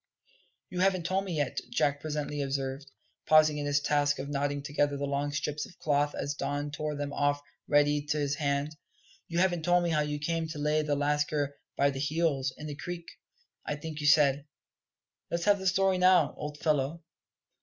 "You haven't told me yet," Jack presently observed, pausing in his task of knotting together the long strips of cloth as Don tore them off ready to his hand; "you haven't told me how you came to lay the lascar by the heels in the creek, I think you said? Let's have the story now, old fellow."